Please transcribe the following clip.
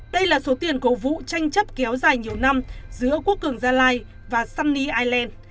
đây là số tiền cầu vũ tranh chấp kéo dài nhiều năm giữa quốc cường gia lai và sunny island